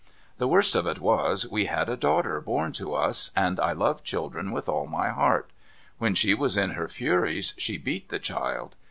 The worst of it was, we had a daughter born to us, and I love children with all my heart. When she was in her furies she beat the child.